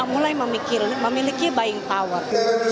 mulai memiliki buying power